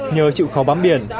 nhờ chịu khó bám biển